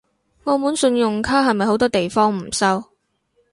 澳門信用卡係咪好多地方唔收？